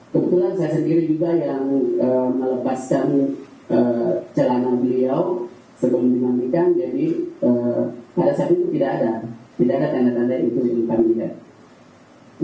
kebetulan saya sendiri juga yang melepaskan celana beliau sebelum dinamikan jadi pada saat itu tidak ada tidak ada tanda tanda itu di depan kandidat